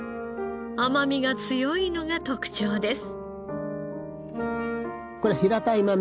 甘みが強いのが特長です。